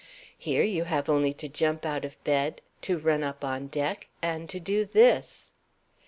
Here you have only to jump out of bed, to run up on deck, and to do this!"